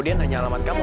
dia nanya alamat kamu